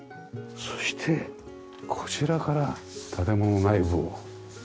そしてこちらから建物内部を。